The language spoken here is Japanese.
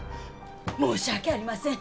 申し訳ありません。